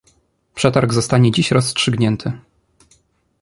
Przetarg zostanie dziś rozstrzygnięty.